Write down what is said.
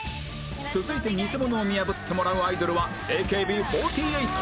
続いてニセモノを見破ってもらうアイドルは ＡＫＢ４８